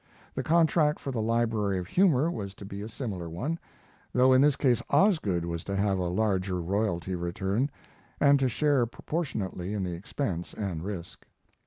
The contract for the Library of Humor was to be a similar one, though in this case Osgood was to have a larger royalty return, and to share proportionately in the expense and risk.